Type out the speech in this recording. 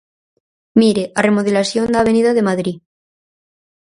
Mire, a remodelación da Avenida de Madrid.